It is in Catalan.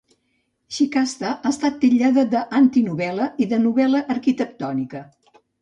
"Shikasta" ha estat titllada d'"antinovel·la" i de "novel·la arquitectònica".